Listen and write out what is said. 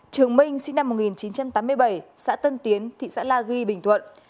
trường minh sinh năm một nghìn chín trăm tám mươi bảy xã tân tiến thị xã la ghi bình thuận